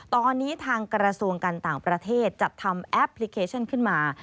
ตอนนี้ทางกระทรวงการต่างประเทศจัดทำแอปพลิเคชันขึ้นมา